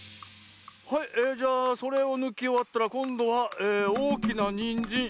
「はいえじゃあそれをぬきおわったらこんどはおおきなにんじん。